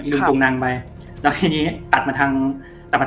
แล้วในที่นี้กัดมาทางพานคำ